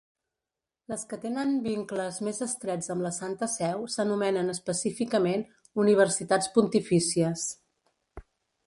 Les que tenen vincles més estrets amb la Santa Seu s'anomenen específicament universitats pontifícies.